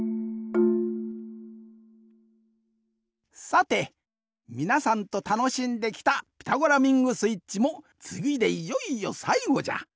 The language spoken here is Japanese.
さてみなさんとたのしんできた「ピタゴラミングスイッチ」もつぎでいよいよさいごじゃ。